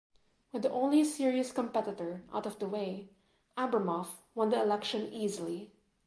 With the only serious competitor out of the way, Abramoff won the election easily.